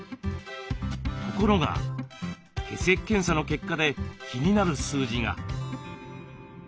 ところが血液検査の結果で気になる数字が。